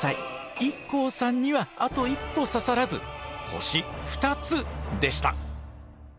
ＩＫＫＯさんにはあと一歩刺さらず星２つでした。